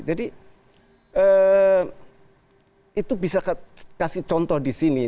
jadi itu bisa kasih contoh di sini